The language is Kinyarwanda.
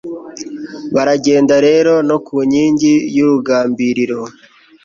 baragenda rero no ku nkingi y'urugambiriro